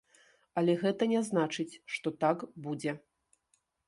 Але гэта не значыць, што так будзе.